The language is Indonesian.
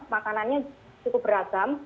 makanannya cukup beragam